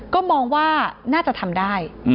ก็มองว่าน่าจะทำได้